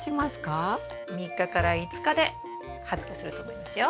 ３日から５日で発芽すると思いますよ。